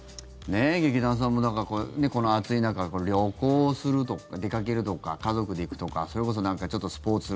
劇団さんも、この暑い中旅行するとか出かけるとか、家族で行くとかそれこそ、ちょっとスポーツ。